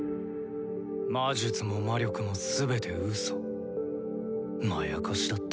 魔術も魔力も全てうそまやかしだった。